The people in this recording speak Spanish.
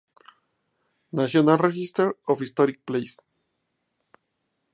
National Register of Historic Places.